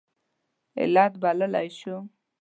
علت بللی شو.